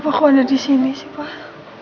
apa aku ada disini sih pak